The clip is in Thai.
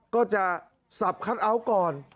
ก็จะสับคัทเอาท์ก่อน